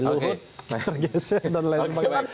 luhut tergeser dan lain sebagainya